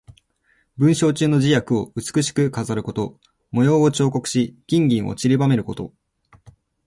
文章中の字や句を美しく飾ること。模様を彫刻し、金銀をちりばめること。